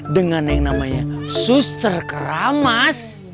dengan yang namanya suster keramas